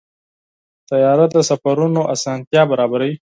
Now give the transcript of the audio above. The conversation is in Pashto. طیاره د سفرونو اسانتیا برابروي.